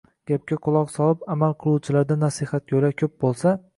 Gapga quloq solib, amal qiluvchilardan nasihatgo‘ylar ko‘p bo‘lsa